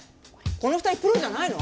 この２人プロじゃないの？